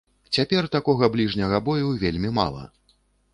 Цяпер такога бліжняга бою вельмі мала.